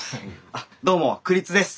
あっどうも栗津です。